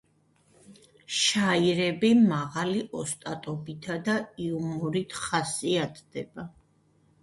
შაირები მაღალი ოსტატობითა და იუმორით ხასიათდება.